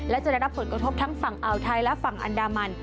และจะได้รับผลกระทบทั้งฝั่งอ่าวไทยและฝั่งอันดามัน